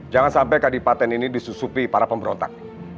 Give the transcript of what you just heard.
jangan sampai kadipaten ini disusupi para pemberontak